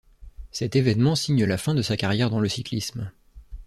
Cet événement signe la fin de sa carrière dans le cyclisme.